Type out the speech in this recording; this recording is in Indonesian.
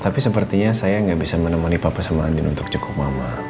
tapi sepertinya saya gak bisa menemani papa sama andin untuk jenguk mama